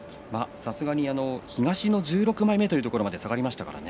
さすがに東の１６枚目というところまで下がりましたからね。